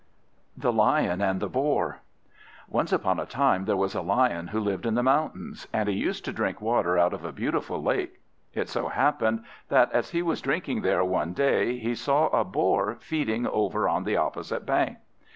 THE LION AND THE BOAR Once upon a time there was a Lion who lived in the mountains, and he used to drink water out of a beautiful lake. It so happened that, as he was drinking there one day, he saw a Boar feeding over on the opposite bank.